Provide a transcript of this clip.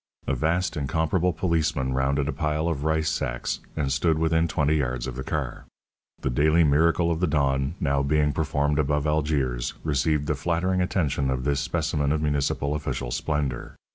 A vast, incomparable policeman rounded a pile of rice sacks and stood within twenty yards of the car. The daily miracle of the dawn, now being performed above Algiers, received the flattering attention of this specimen of municipal official splendour.